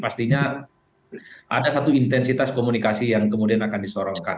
pastinya ada satu intensitas komunikasi yang kemudian akan disorongkan